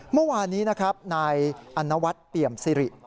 เมื่อวานนี้นะครับนายอนวัฒน์เปี่ยมสิริ